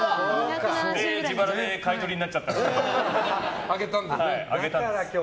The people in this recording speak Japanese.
自腹で買い取りになっちゃったから。